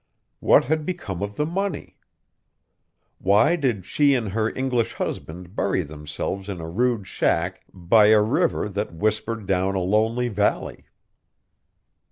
What had become of the money? Why did she and her English husband bury themselves in a rude shack by a river that whispered down a lonely valley?